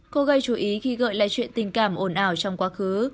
cô gây chú ý khi gợi lại chuyện tình cảm ổn ảo trong quá khứ